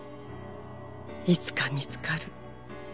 「いつか見つかる」